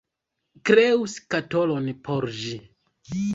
Kreu skatolon por ĝi!